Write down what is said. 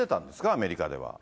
アメリカでは。